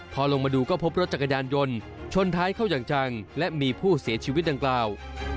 พอลงมาดูก็พบรถจักรยานยนต์ชนท้ายเข้าอย่างจังและมีผู้เสียชีวิตดังกล่าว